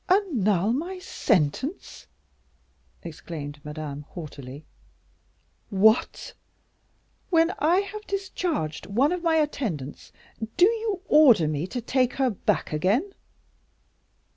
"Annul my sentence!" exclaimed Madame, haughtily. "What! when I have discharged one of my attendants, do you order me to take her back again?"